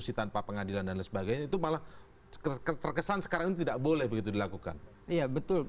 situasi kan saya tidak ikut